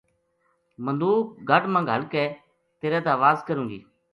مدوکھ گَڑ ما گھل کے تیرے دا واز کروں گی